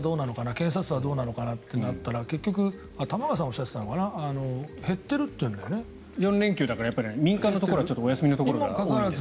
検査数はどうなのかなと思ったら結局、玉川さんがおっしゃっていたのかな４連休だから民間はお休みのところが多いんです。